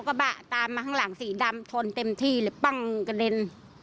กระบะตามมาข้างหลังสีดำชนเต็มที่เลยปั้งกระเด็น